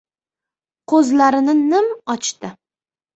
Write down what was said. Qo‘zlarini nim ochdi.